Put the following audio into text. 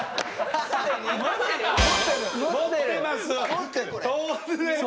持ってます当然。